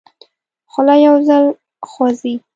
خوله یو ځل خوځي.